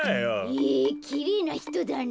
へえきれいなひとだね。